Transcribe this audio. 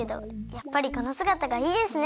やっぱりこのすがたがいいですね！